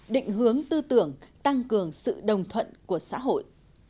định hướng tư tưởng tăng cường sự đồng thuận của xã hội